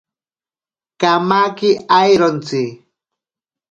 Kamake airontsi.